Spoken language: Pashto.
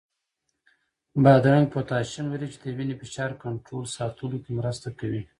بادرنګ پوتاشیم لري، چې د وینې فشار کنټرول ساتلو کې مرسته کوي.